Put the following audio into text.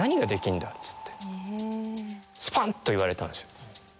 スパン！と言われたんですよ。